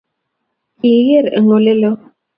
Kigigeer eng oleloo